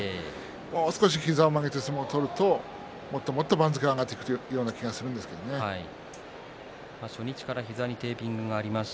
もう少し膝を曲げて相撲を取るともっともっと番付が上がっていく初日から膝にテーピングがあります。